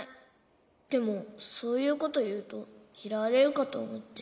でもそういうこというときらわれるかとおもって。